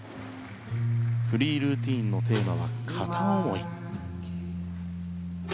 フリールーティンのテーマは、片思い。